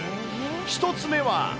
１つ目は。